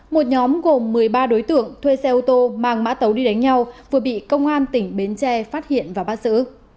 một nhóm gồm một mươi ba đối tượng thuê xe ô tô mang mã tấu đi đánh nhau vừa bị công an tỉnh bến tre phát hiện và bắt giữ